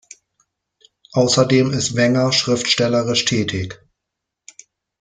Außerdem ist Wenger schriftstellerisch tätig.